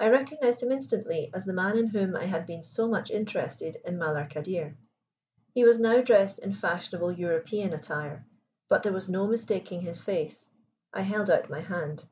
I recognized him instantly as the man in whom I had been so much interested in Malar Kadir. He was now dressed in fashionable European attire, but there was no mistaking his face. I held out my hand.